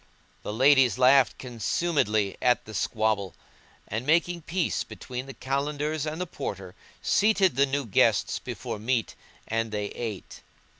The ladies laughed consumedly at the squabble; and, making peace between the Kalandars and the Porter, seated the new guests before meat and they ate.